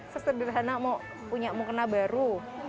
sesederhana mau punya mukena baru